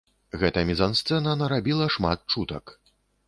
Гэта мізансцэна нарабіла шмат чутак.